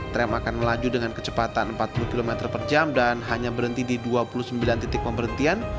tram akan melaju dengan kecepatan empat puluh km per jam dan hanya berhenti di dua puluh sembilan titik pemberhentian